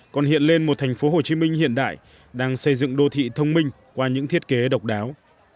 còn hiện lên một thành phố hồ chí minh hiện đại đang xây dựng đô thị thông minh qua những thiết kế độc đáo